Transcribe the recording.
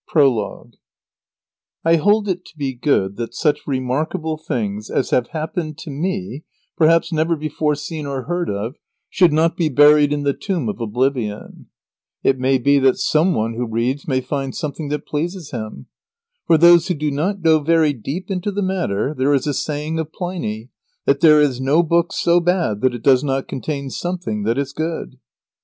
PROLOGUE I hold it to be good that such remarkable things as have happened to me, perhaps never before seen or heard of, should not be buried in the tomb of oblivion. [Sidenote: Reasons for relating all the circumstances of his life.] It may be that some one who reads may find something that pleases him. For those who do not go very deep into the matter there is a saying of Pliny "that there is no book so bad that it does not contain something that is good."